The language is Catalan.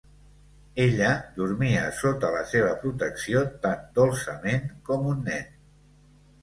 Ella dormia sota la seva protecció tan dolçament com un nen.